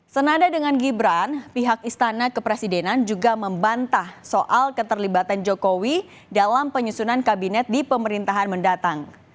senada dengan gibran pihak istana kepresidenan juga membantah soal keterlibatan jokowi dalam penyusunan kabinet di pemerintahan mendatang